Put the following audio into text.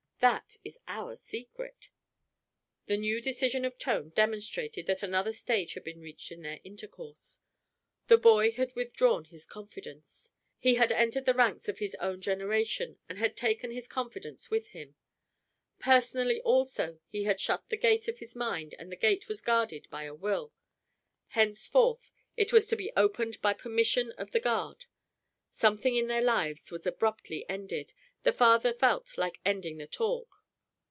"That is our secret." The new decision of tone demonstrated that another stage had been reached in their intercourse. The boy had withdrawn his confidence; he had entered the ranks of his own generation and had taken his confidence with him. Personally, also, he had shut the gate of his mind and the gate was guarded by a will; henceforth it was to be opened by permission of the guard. Something in their lives was abruptly ended; the father felt like ending the talk.